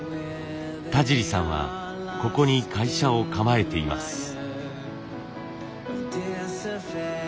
田尻さんはここに会社を構えています。